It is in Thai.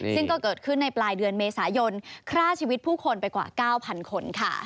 ซึ่งก็เกิดขึ้นในปลายเดือนเมษายนฆ่าชีวิตผู้คนไปกว่า๙๐๐คนค่ะ